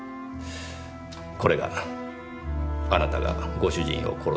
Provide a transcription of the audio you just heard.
これがあなたがご主人を殺す動機です。